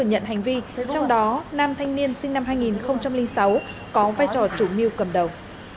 nhận hành vi trong đó nam thanh niên sinh năm hai nghìn sáu có vai trò chủ mưu cầm đầu